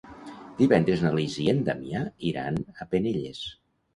Divendres na Lis i en Damià iran a Penelles.